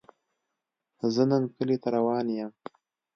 زۀ نن کلي ته روان يم